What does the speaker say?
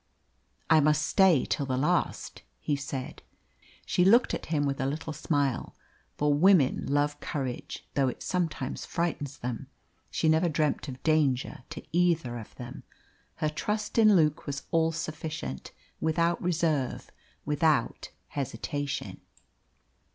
"I must stay till the last," he said. She looked at him with a little smile, for women love courage, though it sometimes frightens them. She never dreamt of danger to either of them. Her trust in Luke was all sufficient, without reserve, without hesitation.